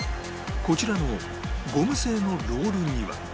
こちらのゴム製のロールには